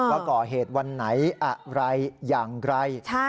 ว่าก่อเหตุวันไหนอะไรอย่างไร